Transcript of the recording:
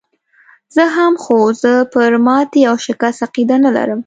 زه هم، خو زه پر ماتې او شکست عقیده نه لرم.